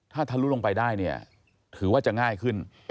ถ้าทะลุลงไปได้เนี่ยถือว่าจะง่ายขึ้น